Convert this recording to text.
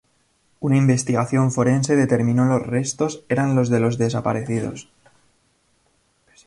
Una investigación forense determinó los restos eran los de los desaparecidos.